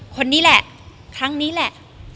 คนนี้แหละครั้งนี้แหละ